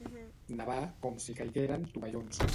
Nevar com si caigueren tovallons.